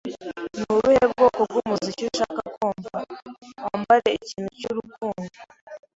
"Ni ubuhe bwoko bw'umuziki ushaka kumva?" "Wambare ikintu cy'urukundo."